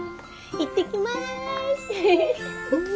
行ってきます。